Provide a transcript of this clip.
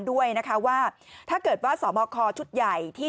ด้วยนะคะว่าถ้าเกิดว่าสอบคอชุดใหญ่ที่